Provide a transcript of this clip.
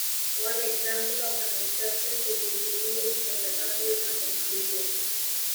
One example of an exception to this "rule" is the metabolism of glucose.